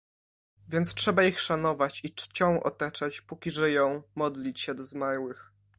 "Więc trzeba ich szanować i czcią otaczać, póki żyją, modlić się do zmarłych."